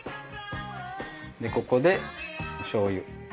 でここでおしょうゆ。